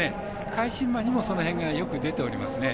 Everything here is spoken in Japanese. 返し馬にもその辺がよく出ておりますね。